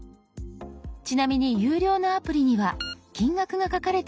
ちなみに有料のアプリには金額が書かれています。